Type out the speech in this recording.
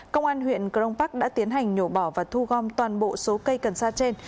công an huyện cron park đã tiến hành nhổ bỏ và thu gom toàn bộ số cây cần sa trên